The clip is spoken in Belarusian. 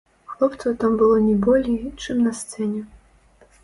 Хлопцаў там было не болей, чым на сцэне.